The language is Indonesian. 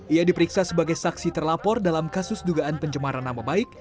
ia diperiksa sebagai saksi terlapor dalam kasus dugaan pencemaran nama baik